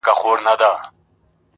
پاچهۍ لره تر لاس تر سترگه تېر وه.